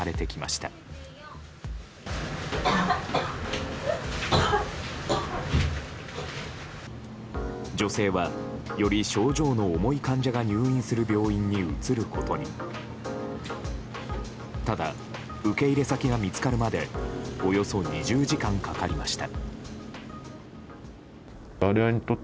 ただ、受け入れ先が見つかるまでおよそ２０時間かかりました。